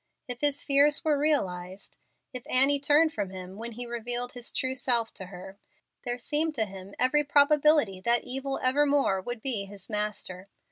If his fears were realized if Annie turned from him when he revealed his true self to her there seemed to him every probability that evil evermore would be his master.